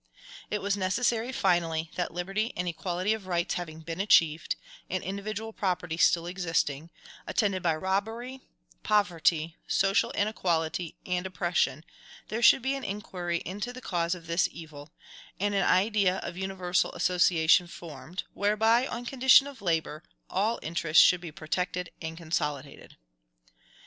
It was necessary, finally, that liberty and equality of rights having been achieved, and individual property still existing, attended by robbery, poverty, social inequality, and oppression, there should be an inquiry into the cause of this evil, and an idea of universal association formed, whereby, on condition of labor, all interests should be protected and consolidated.